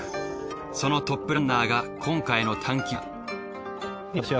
そのトップランナーが今回の探究者だ。